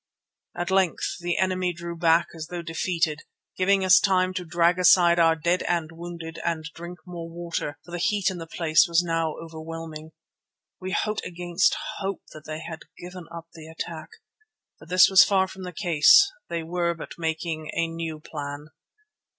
At length the enemy drew back as though defeated, giving us time to drag aside our dead and wounded and drink more water, for the heat in the place was now overwhelming. We hoped against hope that they had given up the attack. But this was far from the case; they were but making a new plan.